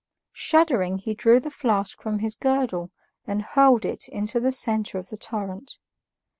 Shuddering he drew the flask from his girdle and hurled it into the center of the torrent.